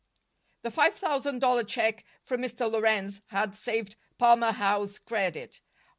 The five thousand dollar check from Mr. Lorenz had saved Palmer Howe's credit.